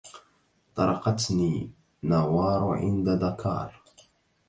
طرقتني نوار عند دكار